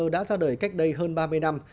đã ra đời cách đây hơn ba mươi năm